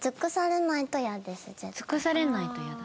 尽くされないとイヤだ？